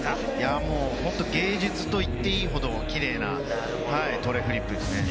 本当、芸術といっていいほどキレイなトレフリップです。